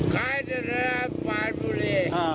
ขายที่นั้นภายบุรี